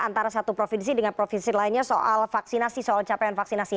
antara satu provinsi dengan provinsi lainnya soal vaksinasi soal capaian vaksinasi